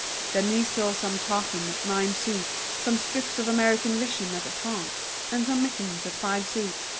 Denise saw some tartan at nine sous, some strips of American vison at a franc, and some mittens at five sous.